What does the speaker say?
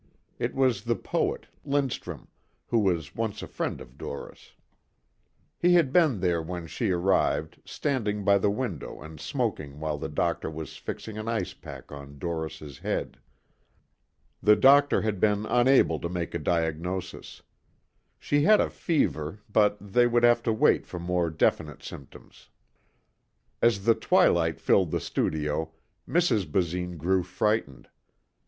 It was the poet, Lindstrum, who was once a friend of Doris. He had been there when she arrived, standing by the window and smoking while the doctor was fixing an ice pack on Doris' head. The doctor had been unable to make a diagnosis. She had a fever but they would have to wait for more definite symptoms. As the twilight filled the studio, Mrs. Basine grew frightened.